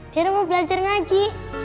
tiara mau belajar ngaji